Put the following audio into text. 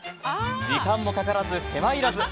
時間もかからず手間いらず。